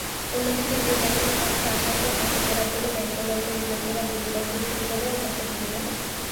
অন্যদিকে Rio casino কক্ষে আসার পর তাকে ধরার জন্য ম্যাকডোনাল্ডের লোকেরা গুলিবর্ষণ শুরু করে ও তাকে ধরে ফেলে।